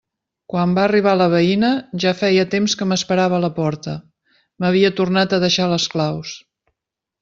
Quan va arribar la veïna, ja feia temps que m'esperava a la porta: m'havia tornat a deixar les claus.